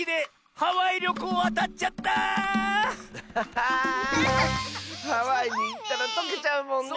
ハワイにいったらとけちゃうもんね！